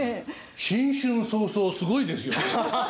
新春早々すごいですよ。